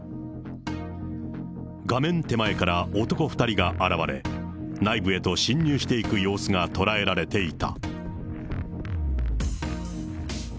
画面手前から男２人が現れ、内部へと侵入していく様子が捉えられていた。